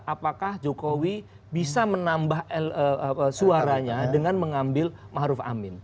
apakah jokowi bisa menambah suaranya dengan mengambil ma'ruf amin